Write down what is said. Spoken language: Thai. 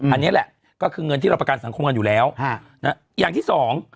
อันนี้แหละก็คือเงินที่เราประกันสังคมกันอยู่แล้วอย่างที่สอง